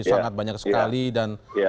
sangat banyak sekali dan